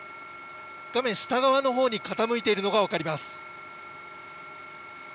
画面下側のほうに傾いているのが分かります。